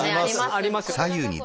あります。